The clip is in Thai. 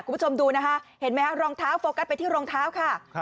คุณผู้ชมดูนะคะเห็นไหมฮะรองเท้าโฟกัสไปที่รองเท้าค่ะ